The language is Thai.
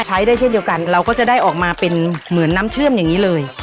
ใช้ได้เช่นเดียวกันเราก็จะได้ออกมาเป็นเหมือนน้ำเชื่อมอย่างนี้เลย